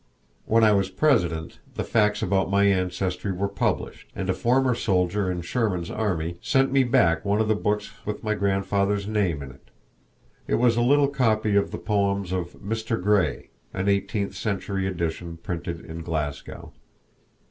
When I was President the facts about my ancestry were published, and a former soldier in Sherman's army sent me back one of the books with my grandfather's name in it. It was a little copy of the poems of "Mr. Gray" an eighteenth century edition printed in Glasgow.